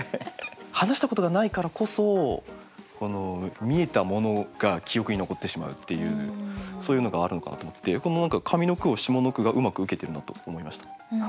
話したことがないからこそ見えたものが記憶に残ってしまうっていうそういうのがあるのかなと思ってこの上の句を下の句がうまく受けてるなと思いました。